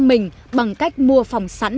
mình bằng cách mua phòng sẵn